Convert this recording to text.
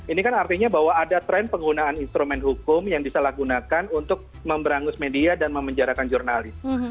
ini kan artinya bahwa ada tren penggunaan instrumen hukum yang disalahgunakan untuk memberangus media dan memenjarakan jurnalis